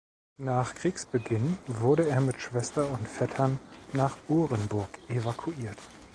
Nach Kriegsbeginn wurde er mit Schwester und Vettern nach Orenburg evakuiert.